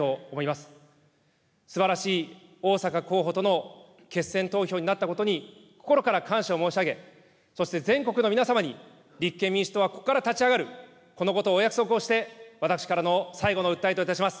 すばらしい逢坂候補との決選投票になったことに、心から感謝を申し上げ、そして全国の皆様に、立憲民主党はここから立ち上がる、このことをお約束をして、私からの最後の訴えといたします。